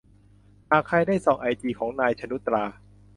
หากใครได้ส่องไอจีของ นาย ชนุชตรา